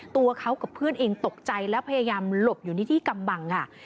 ตัวเขากับเพื่อนเองตกใจและพยายามหลบอยู่ในที่กำบังค่ะ